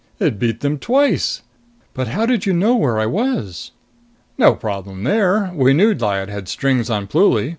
It beat them twice. But how did you know where I was?" "No problem there. We knew Lyad had strings on Pluly.